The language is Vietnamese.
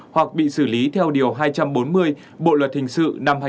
hoặc bị xử lý theo điều hai trăm bốn mươi bộ luật hình sự năm hai nghìn một mươi năm